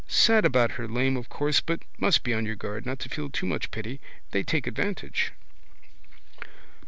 Sad about her lame of course but must be on your guard not to feel too much pity. They take advantage.